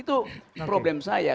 itu problem saya